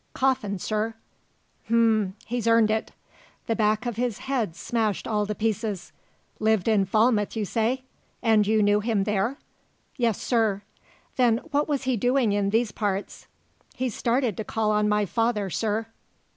"Coffin, sir." "H'm, he's earned it. The back of his head's smashed all to pieces. Lived in Falmouth, you say? And you knew him there?" "Yes, sir." "Then what was he doing in these parts?" "He started to call on my father, sir."